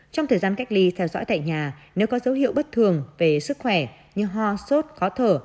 trong thời gian cách ly theo dõi tại nhà nếu có dấu hiệu bất thường về sức khỏe như ho sốt khó thở